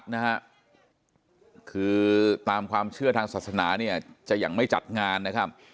นะฮะคือตามความเชื่อทางศาสนาเนี่ยจะยังไม่จัดงานนะครับ